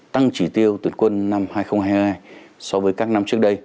tăng chỉ tiêu tuyển quân năm hai nghìn hai mươi hai so với các năm trước đây